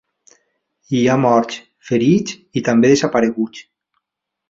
Hi ha morts, ferits i també desapareguts.